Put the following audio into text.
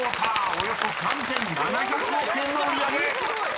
およそ３，７００億円の売り上げ］